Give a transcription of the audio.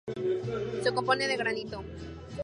Se compone de granito.